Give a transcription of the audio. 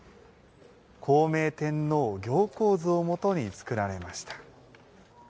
孝明天皇行幸図をもとに作られました。